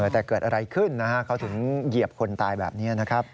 แต่เกิดอะไรขึ้นนะฮะเขาถึงเหยียบคนตายแบบนี้นะครับ